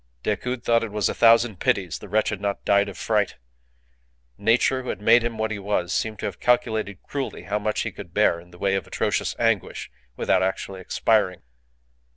Decoud thought that it was a thousand pities the wretch had not died of fright. Nature, who had made him what he was, seemed to have calculated cruelly how much he could bear in the way of atrocious anguish without actually expiring.